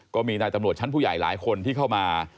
ก็มีนายตำรวจชั้นผู้ใหญ่หลายคนที่เข้ามา